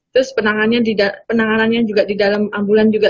terus penanganannya juga di dalam ambulan juga